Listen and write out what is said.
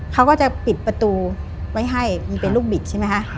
เขาก็จะปิดประตูไว้ให้มันเป็นลูกบิดใช่ไหมคะ